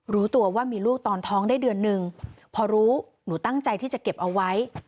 รู้ตัวว่ามีลูกตอนท้องได้เดือนนึงพอรู้หนูตั้งใจที่จะเก็บเอาไว้